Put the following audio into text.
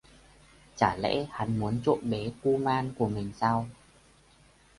Chả lẽ hắn muốn trộm bé kuman của mình sao